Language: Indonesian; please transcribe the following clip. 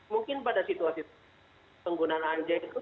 mungkin pada situasi penggunaan anja itu